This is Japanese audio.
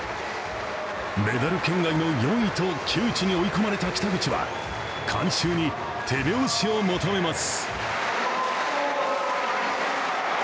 メダル圏外の４位と窮地に追い込まれた北口は観衆に手拍子を求めます。